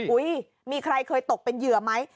อุ๊ยมีใครเคยตกเป็นเหยื่อไหม